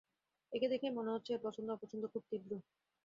একে দেখেই মনে হচ্ছে, এর পছন্দ-অপছন্দ খুব তীব্র।